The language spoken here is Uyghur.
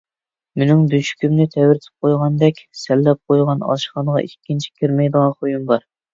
مېنىڭ بۆشۈكۈمنى تەۋرىتىپ قويغاندەك سەنلەپ قويغان ئاشخانىغا ئىككىنچى كىرمەيدىغان خۇيۇم بار.